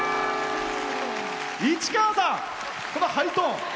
市川さん、このハイトーン。